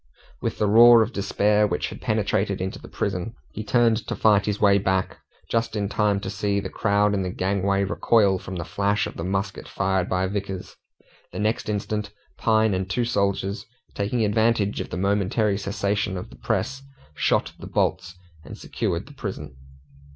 With the roar of despair which had penetrated into the prison, he turned to fight his way back, just in time to see the crowd in the gangway recoil from the flash of the musket fired by Vickers. The next instant, Pine and two soldiers, taking advantage of the momentary cessation of the press, shot the bolts, and secured the prison.